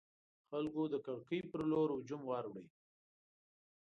خلکو د کړکۍ پر لور هجوم وروړ.